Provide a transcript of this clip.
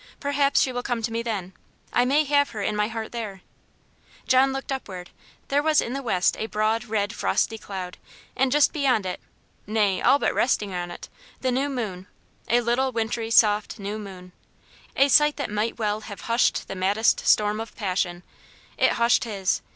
Perhaps she will come to me then: I may have her in my heart there." John looked upward: there was in the west a broad, red frosty cloud, and just beyond it, nay, all but resting on it, the new moon a little, wintry, soft new moon. A sight that might well have hushed the maddest storm of passion: it hushed his.